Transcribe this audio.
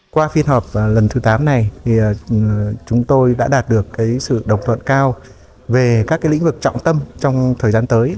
qua phiên họp lần thứ tám này thì chúng tôi đã đạt được sự đồng thuận cao về các lĩnh vực trọng tâm trong thời gian tới